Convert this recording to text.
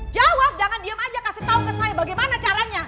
jawab jangan diem aja kasih tahu ke saya bagaimana caranya